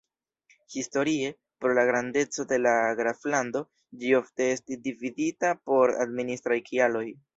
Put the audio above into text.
Historie, pro la grandeco de la graflando, ĝi ofte estis dividita por administraj kialoj.